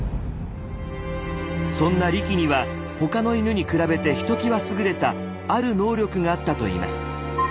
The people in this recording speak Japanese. そんなリキには他の犬に比べてひときわ優れた「ある能力」があったといいます。